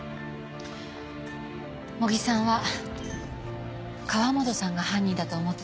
茂木さんは河元さんが犯人だと思ってたんですよね？